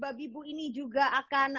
babi bu ini juga akan